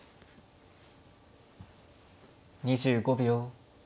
２５秒。